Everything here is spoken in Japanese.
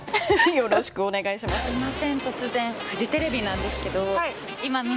よろしくお願いします。